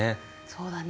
そうだね。